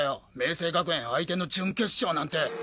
青学園相手の準決勝なんて！